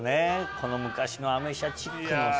この昔のアメ車チックのさ